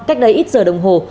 cách đây ít giờ đồng hồ